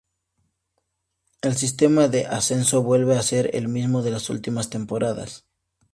El sistema de ascenso vuelve a ser el mismo de las últimas temporadas.